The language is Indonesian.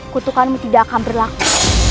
kutukanmu tidak akan berlaku